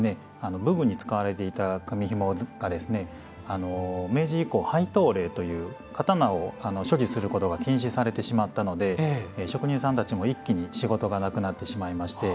武具に使われていた組みひもがですね明治以降廃刀令という刀を所持することが禁止されてしまったので職人さんたちも一気に仕事がなくなってしまいまして。